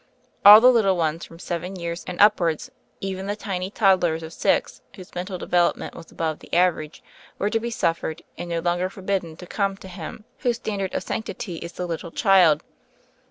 All the little ones from seven years and upwards — even the tiny toddlers of six whose mental development was above the average — were to be suffered and no longer forbidden to come to Him whose standard of sanctity is the little child.